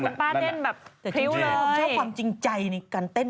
ชอบความจริงใจในการเต้น